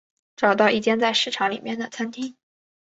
找到一间在市场里面的餐厅